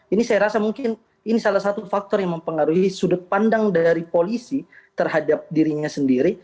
ini saya rasa mungkin ini salah satu faktor yang mempengaruhi sudut pandang dari polisi terhadap dirinya sendiri